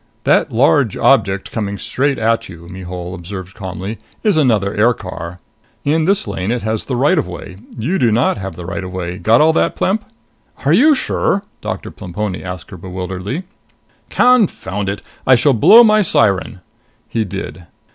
"That large object coming straight at you," Mihul observed calmly, "is another aircar. In this lane it has the right of way. You do not have the right of way. Got all that, Plemp?" "Are you sure?" Doctor Plemponi asked her bewilderedly. "Confound it! I shall blow my siren." He did.